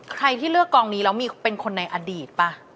ใครที่เลือกกองนี้แล้วมีเป็นคนในอดีตป่ะ